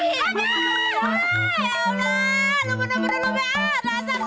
rasanya aku amat nggak tau diri lah